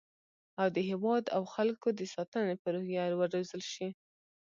او د هیواد او خلکو د ساتنې په روحیه وروزل شي